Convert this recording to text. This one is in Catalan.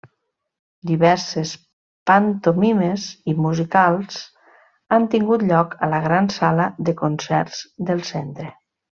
Diverses pantomimes i musicals han tingut lloc a la gran sala de concerts del centre.